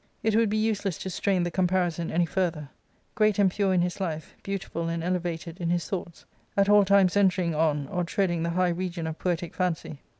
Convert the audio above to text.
It would be useless to strain the comparison any further ; great and pure in his life, beautiful and ele vated in his thoughts, at all times entering on or tread ing the high region of poetic fancy.